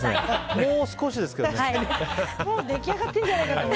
もう少しですけどね。